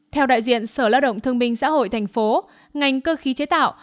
theo đại diện sở lao động thương minh xã hội tp ngành cơ khí chế tạo